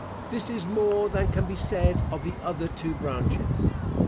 This is more than can be said of the other two branches.